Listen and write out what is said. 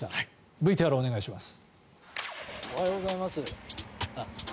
ＶＴＲお願いします。